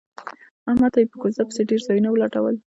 احمد ته یې په کوزده پسې ډېر ځایونه ولټول.